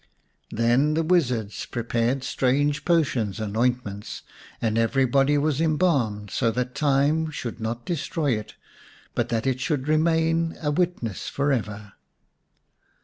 Then the wizards prepared strange potions and ointments, and every body was embalmed, so that time should not destroy it, but that it should remain a witness for ever.